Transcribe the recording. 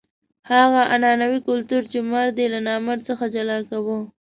هغه عنعنوي کلتور چې مرد یې له نامرد څخه جلا کاوه.